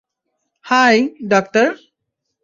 High, doctor.